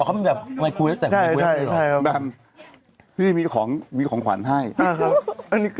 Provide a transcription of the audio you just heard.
อ๋อเขาก็แบบไมโครเวบแต่มี